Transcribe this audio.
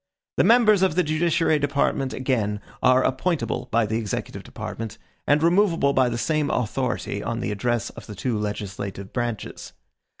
The members of the judiciary department, again, are appointable by the executive department, and removable by the same authority on the address of the two legislative branches.